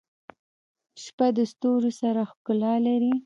• شپه د ستورو سره ښکلا لري.